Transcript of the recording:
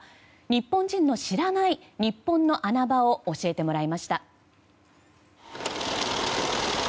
日本人の知らない日本の穴場を教えてもらいました。